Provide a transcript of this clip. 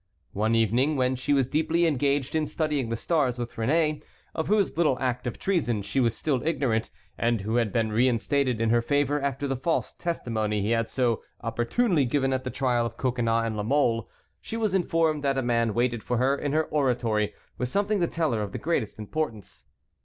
One evening when she was deeply engaged in studying the stars with Réné, of whose little act of treason she was still ignorant, and who had been reinstated in her favor after the false testimony he had so opportunely given at the trial of Coconnas and La Mole, she was informed that a man waited for her in her oratory with something to tell her of the greatest importance.